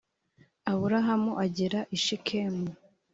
aburamu agera i shekemu